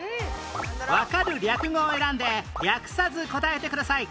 わかる略語を選んで略さず答えてください